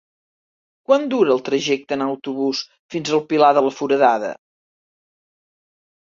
Quant dura el trajecte en autobús fins al Pilar de la Foradada?